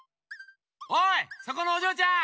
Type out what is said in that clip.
おいそこのおじょうちゃん！